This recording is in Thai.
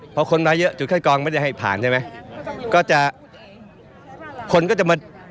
พอคนมาเยอะจุดคัดกรองไม่ได้ให้ผ่านใช่ไหมก็จะคนก็จะมา